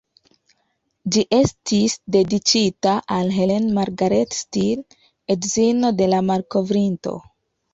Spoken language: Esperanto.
Ĝi estis dediĉita al "Helen Margaret Steel", edzino de la malkovrinto.